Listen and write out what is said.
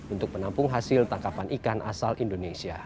untuk menampung hasil tangkapan ikan asal indonesia